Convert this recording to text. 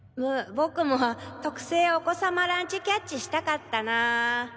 僕も「特製お子さまランチキャッチ」したかったな。